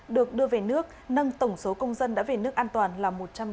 được đưa về nước nâng tổng số công dân đã về nước an toàn là một trăm ba mươi